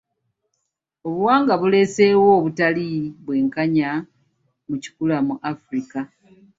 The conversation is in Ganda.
Obuwangwa buleeseewo obutali bwenkanya mu kikula mu Afirika